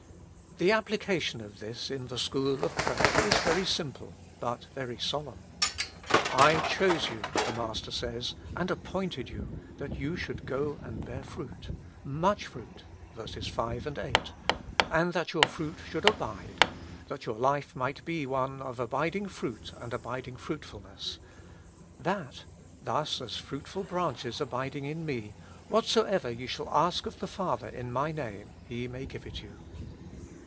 The application of this in the school of prayer is very simple, but very solemn. "I chose you," the Master says, "and appointed you that ye should go and bear fruit," much fruit (verses 5, 8), "and that your fruit should abide," that your life might be one of abiding fruit and abiding fruitfulness, "///«/" thus, as fruitful branches abiding in me, "whatsoever ye shall ask of the Father in my name, He may give it you."